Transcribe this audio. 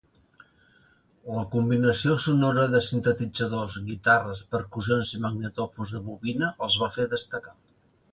La combinació sonora de sintetitzadors, guitarres, percussions i magnetòfons de bobina els va fer destacar.